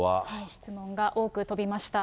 質問が多く飛びました。